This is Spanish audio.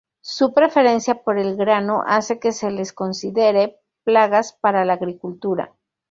Su preferencia por el grano hace que se les considere plagas para la agricultura.